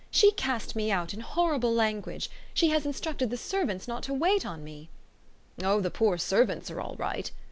She cast me out in horrible language she has instructed the servants not to wait on me." "Oh the poor servants are all right!"